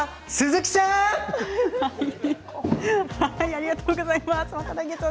ありがとうございます。